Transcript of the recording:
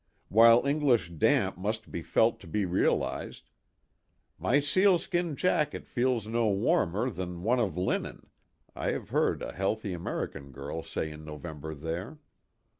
While English damp must be felt to be realized; "My sealskin jacket feels no warmer than one of 124 THE TWO WILLS. linen," I have heard a healthy American girl say in November there.